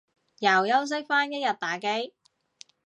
又休息返一日打機